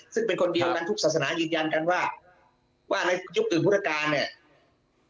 ซึ่งเป็นคนเดียวกันทุกศาสนายืนยันกันว่าว่าในยุคตื่นพุทธกาลเนี่ย